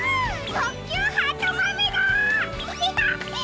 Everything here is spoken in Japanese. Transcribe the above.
とっきゅうはとまめだ！